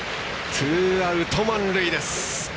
ツーアウト、満塁です。